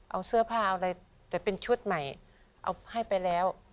เอาเสื้อผ้าเอาอะไรแต่เป็นชุดใหม่เอาให้ไปแล้ว